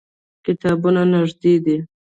کتابتون نږدې دی